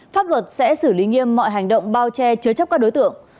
pháp luật sẽ xử lý nghiêm mọi hành động bao che chứa chấp các đối tượng